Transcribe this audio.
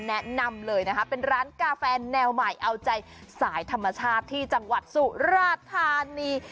แนะนำเลยนะคะเป็นร้านกาแฟแนวใหม่เอาใจสายธรรมชาติที่จังหวัดสุราธานี